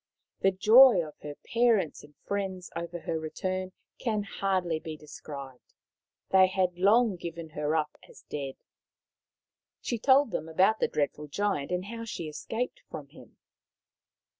The joy of her parents and friends over her return can hardly be described. They had long given her up as dead. She told them about the dreadful Giant and how she escaped from him.